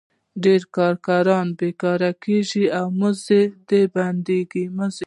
ډېر کارګران بېکاره کېږي او مزد یې بندېږي